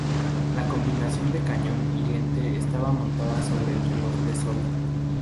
La combinación de cañón y lente estaba montada sobre un reloj de sol.